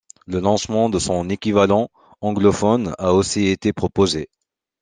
Le lancement de son équivalent anglophone a aussi été proposé.